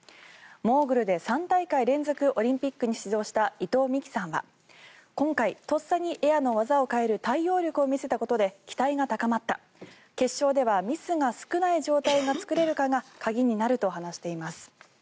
モーグルで３大会連続でオリンピックに出場した伊藤みきさんは今回、とっさにエアの技を変える対応力を見せたことで期待が高まった決勝ではミスが少ない状態が作れるかが鍵になると話しています。